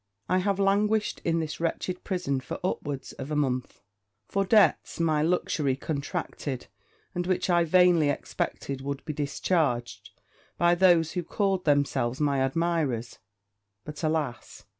I have languished in this wretched prison for upwards of a month, for debts my luxury contracted, and which I vainly expected would be discharged by those who called themselves my admirers: but, alas!